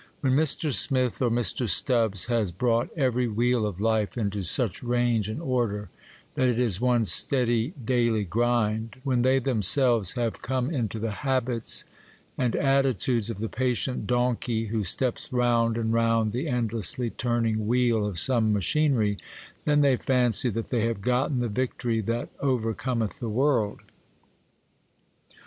When Mr. Smith or Mr. Stubbs has brought every wheel of life into such range and order that it is one steady, daily grind,—when they themselves have come into the habits and attitudes of the patient donkey, who steps round and round the endlessly turning wheel of some machinery—then they fancy that they have gotten 'the victory that overcometh the world.